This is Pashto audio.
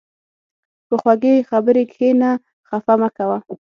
په خوږې خبرې کښېنه، خفه مه کوه.